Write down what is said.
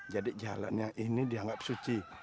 jadi jalan yang ini dianggap suci